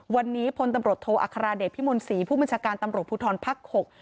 วันนี้พนธรรมดโทอัคราเดตพี่มนศรีผู้บัญชาการตำรวจภูทรภักษ์๖